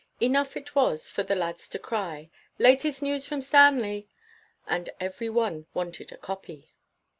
Enough it was for the lads to cry, "Latest news from Stanley," and every one wanted a copy.